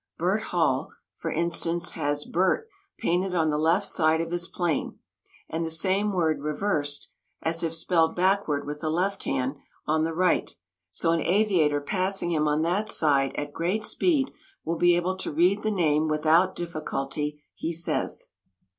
Bert Hall, for instance, has BERT painted on the left side of his plane and the same word reversed (as if spelled backward with the left hand) on the right so an aviator passing him on that side at great speed will be able to read the name without difficulty, he says!